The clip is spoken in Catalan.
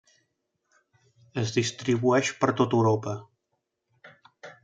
Es distribueix per tota Europa.